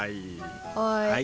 はい。